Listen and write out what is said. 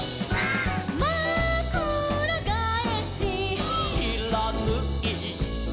「まくらがえし」「」「しらぬい」「」